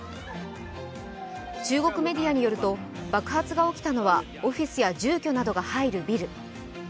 中国メディアによると爆発が起きたのはオフィスや住居などが入るビル。